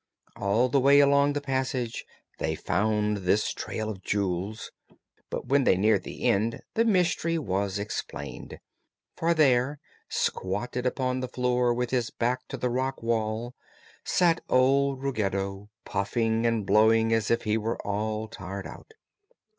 All the way along the passage they found this trail of jewels, but when they neared the end the mystery was explained. For there, squatted upon the floor with his back to the rock wall, sat old Ruggedo, puffing and blowing as if he was all tired out.